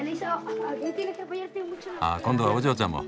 あ今度はお嬢ちゃんも！